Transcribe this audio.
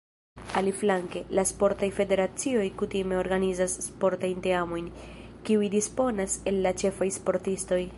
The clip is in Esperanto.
Aliflanke, la sportaj federacioj kutime organizas sportajn teamojn, kiuj disponas el la ĉefaj sportistoj.